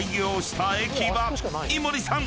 ［井森さん